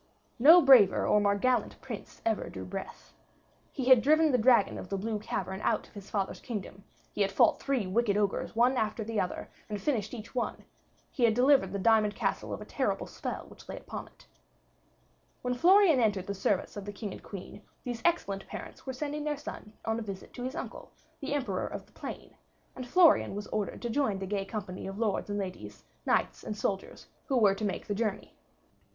No braver or more gallant prince ever drew breath. He had driven the dragon of the blue cavern out of his father's kingdom; he had fought three wicked ogres one after the other, and finished each one; he had delivered the diamond castle of a terrible spell which lay upon it. When Florian entered the service of the King and Queen, these excellent parents were sending their son on a visit to his uncle, the Emperor of the Plain, and Florian was ordered to join the gay company of lords and ladies, knights and soldiers, who were to make the journey.